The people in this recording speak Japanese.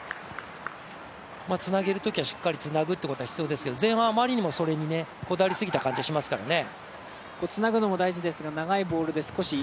つなげるときはしっかりつなぐということが必要ですけど前半はあまりにもそれにこだわりすぎた感じはしますからね。